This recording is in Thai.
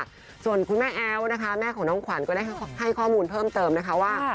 ส่วนคุณแม่แอ๊วนะคะแม่ของน้องขวัญก็ได้ให้ข้อมูลเพิ่มเติมนะคะว่า